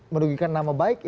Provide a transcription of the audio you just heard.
merugikan nama baik